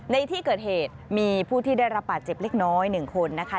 ในที่เกิดเหตุมีผู้ที่ได้รับบาดเจ็บเล็กน้อย๑คนนะคะ